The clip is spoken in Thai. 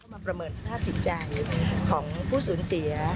มาประเมินสภาพจิตใจของผู้สูญเสีย